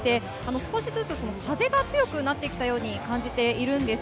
少しずつ風が強くなってきたように感じています。